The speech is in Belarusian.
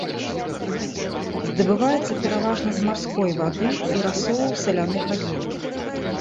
Здабываецца пераважна з марской вады і расолаў саляных азёраў.